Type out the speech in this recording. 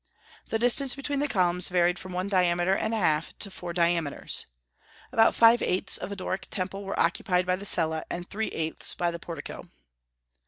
The distance between the columns varied from one diameter and a half to four diameters. About five eighths of a Doric temple were occupied by the cella, and three eighths by the portico.